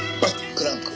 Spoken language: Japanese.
クランク。